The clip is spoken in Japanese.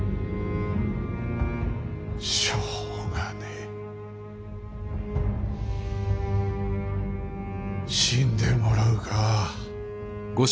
しょうがねえ死んでもらうか。